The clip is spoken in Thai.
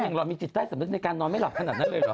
เรามีจิตใต้สำนึกในการนอนไม่หลับขนาดนั้นเลยเหรอ